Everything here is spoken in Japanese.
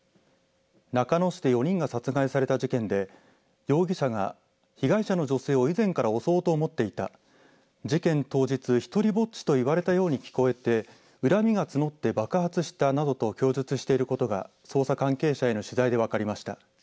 中野市で４人が殺害された事件で容疑者が被害者の女性を以前から襲おうと思っていた事件当日、独りぼっちと言われたように聞こえて恨みが募って爆発したなどと供述していることが捜査関係者への取材で分かりました。